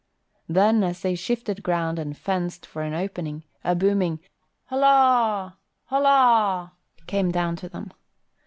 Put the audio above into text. Then, as they shifted ground and fenced for an opening, a booming "Holla! Holla!" came down to them.